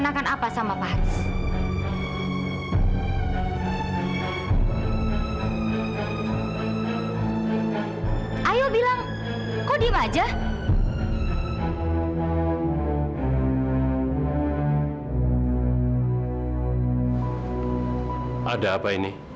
ada masalah apa